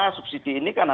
kemudian kemudian makan ya